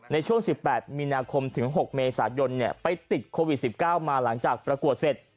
ในช่วง๑๘มีนาคมถึง๖เมษายนไปติดโควิด๑๙มาหลังจากประกวดเสร็จ